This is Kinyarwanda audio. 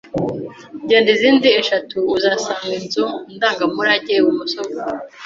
Genda izindi eshatu uzasanga inzu ndangamurage ibumoso bwawe.